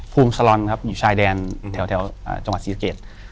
ภูมิสลอนครับอยู่ชายแดนอืมแถวแถวอ่าจังหวัดสี่เกด